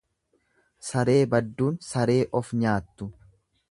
Saree badduun saree of nyaattu.